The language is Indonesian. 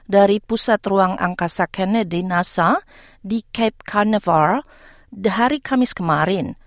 dari pusat ruang angkasa kennedy di cape canaveral hari kamis kemarin